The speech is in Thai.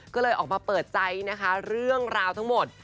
ก็เลยออกมาเปิดใจนะคะเรื่องราวทั้งหมด